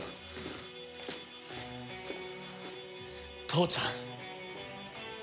父ちゃん。